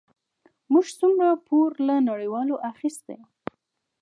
موږ څومره پور له نړیوالو اخیستی؟